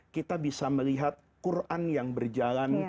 kita bisa melihat quran yang berjalan